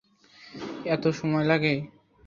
এতে সময় লাগবে।